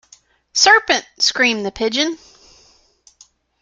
‘Serpent!’ screamed the Pigeon.